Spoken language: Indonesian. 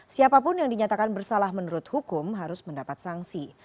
siapapun yang dinyatakan bersalah menurut hukum harus mendapat sanksi